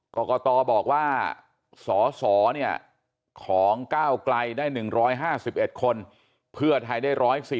กรกตบอกว่าสอสอเนี่ยของก้าวไกลได้๑๕๑คนเพื่อให้ได้๑๔๑